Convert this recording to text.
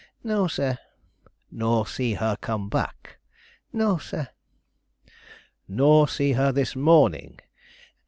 "No, sir." "Nor see her come back?" "No, sir." "Nor see her this morning?"